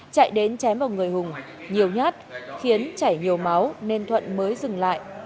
chạy đến chém vào người hùng nhiều nhát khiến chảy nhiều máu nên thuận mới dừng lại